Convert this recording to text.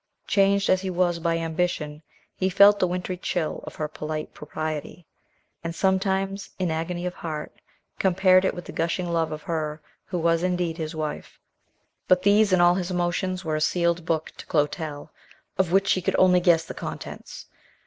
Changed as he was by ambition, he felt the wintry chill of her polite propriety, and sometimes, in agony of heart, compared it with the gushing love of her who was indeed his wife. But these and all his emotions were a sealed book to Clotel, of which she could only guess the contents.